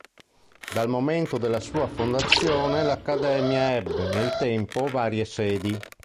Dal momento della sua fondazione l'Accademia ebbe, nel tempo, varie sedi.